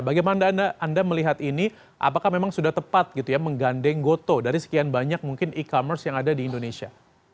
bagaimana anda melihat ini apakah memang sudah tepat gitu ya menggandeng gotoh dari sekian banyak mungkin e commerce yang ada di indonesia